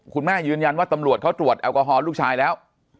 คุณแม่ยืนยันว่าตำรวจเขาตรวจแอลกอฮอล์ลูกชายแล้ว